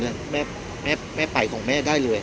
พี่อัดมาสองวันไม่มีใครรู้หรอก